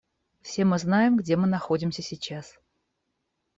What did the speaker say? Все мы знаем, где мы находимся сейчас.